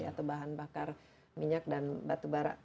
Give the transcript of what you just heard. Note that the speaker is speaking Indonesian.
atau bahan bakar minyak dan batu bara